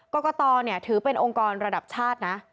กรกตถือเป็นองค์กรระดับชาตินะ